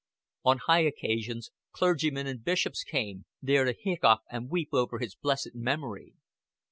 On high occasions clergymen and bishops came, there to hiccough and weep over his blessed memory.